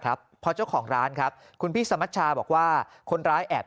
ครับพอเจ้าของร้านครับคุณพี่สมัชชาบอกว่าคนร้ายแอบ